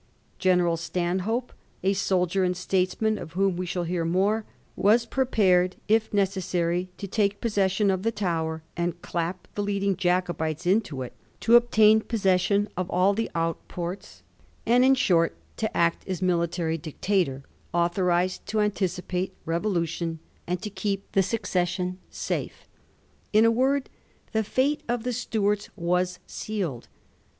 General Stanhope, a soldier and states man of whom we shall hear more, was prepared, if ne cessary, to take possession of the Tower and clap the leading Jacobites into it, to obtain possession of all Digiti zed by Google 62 A HISTORY OF THE FOUR GEORGES. oh. m. the outports, and, in short, to act as military dictator, authorised to anticipate revolution and to keep the succession safe. In a word the fate of the Stuarts was sealed.